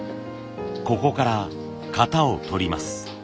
ここから型を取ります。